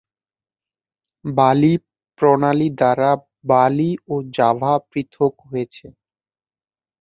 বালি প্রণালী দ্বারা বালি ও জাভা পৃথক হয়েছে।